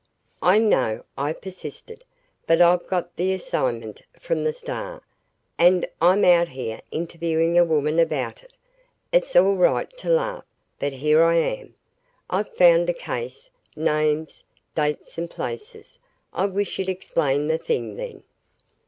"I know," I persisted, "but I've got the assignment from the Star and I'm out here interviewing a woman about it. It's all right to laugh but here I am. I've found a case names, dates and places. I wish you'd explain the thing, then."